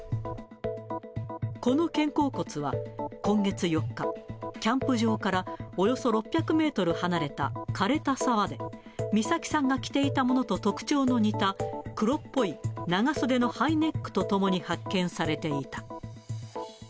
この肩甲骨は、今月４日、キャンプ場からおよそ６００メートル離れたかれた沢で、美咲さんが着ていたものと特徴の似た黒っぽい長袖のハイネックとともに発見されていた。